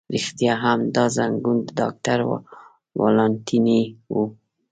رښتیا هم، دا زنګون د ډاکټر ولانتیني و.